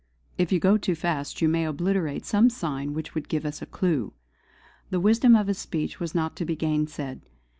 If you go too fast you may obliterate some sign which would give us a clue!" The wisdom of his speech was not to be gainsaid.